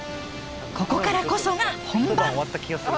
ここからこそが本番！